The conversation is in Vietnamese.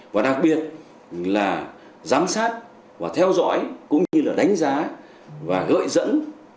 và đặc biệt là giám sát và theo dõi cũng như là đánh giá và gợi dẫn